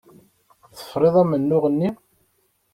Tefriḍ amennuɣ-nni.